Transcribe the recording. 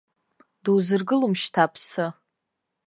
Дузыргылом шьҭа аԥсы.